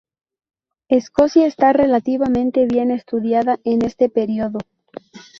Escocia está relativamente bien estudiada en este periodo.